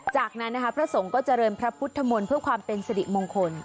จากนั้นนะคะพระสงฆ์ก็เจริญพระพุทธมนต์เพื่อความเป็นสิริมงคล